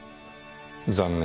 残念。